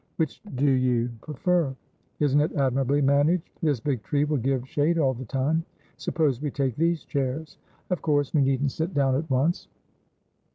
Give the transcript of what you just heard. Which do you prefer? Isn't it admirably managed? This big tree will give shade all the time. Suppose we take these chairs? Of course we needn't sit down at once.